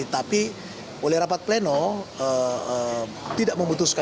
tapi oleh rapat pleno tidak memutuskan